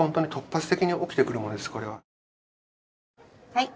はい。